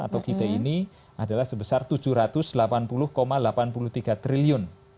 atau kita ini adalah sebesar rp tujuh ratus delapan puluh delapan puluh tiga triliun